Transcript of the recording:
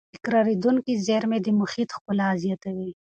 تکرارېدونکې زېرمې د محیط ښکلا زیاتوي.